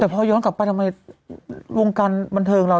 แต่พอย้อนกลับไปทำไมวงการบันเทิงเรา